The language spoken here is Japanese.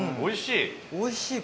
おいしい！